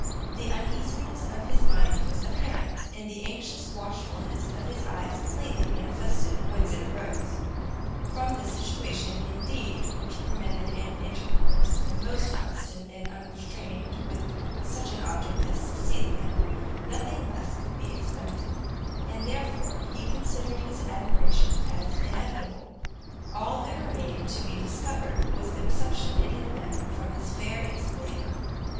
The uneasiness of his mind was apparent, and the anxious watchfulness of his eyes plainly manifested whence it arose. From a situation, indeed, which permitted an intercourse the most constant and unrestrained with such an object as Cecilia, nothing less could be expected, and therefore he considered his admiration as inevitable; all that remained to be discovered, was the reception it had met from his fair enslaver.